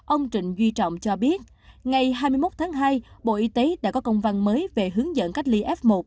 ông trịnh duy trọng cho biết ngày hai mươi một tháng hai bộ y tế đã có công văn mới về hướng dẫn cách ly f một